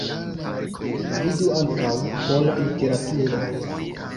Vidu ankaŭ: Pola literaturo.